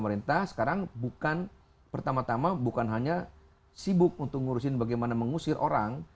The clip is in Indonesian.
pemerintah sekarang bukan pertama tama bukan hanya sibuk untuk ngurusin bagaimana mengusir orang